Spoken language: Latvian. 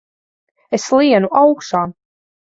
Es lienu augšā!